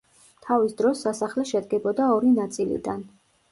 თავის დროს სასახლე შედგებოდა ორი ნაწილიდან.